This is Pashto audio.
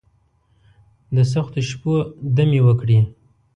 دسختو شپو، دمې وکړي